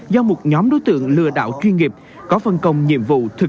do một nhóm đối tượng lừa đảo chuyên nghiệp có phân công nhiệm vụ thực